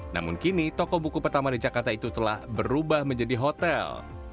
namun kini toko buku pertama di jakarta itu telah berubah menjadi hotel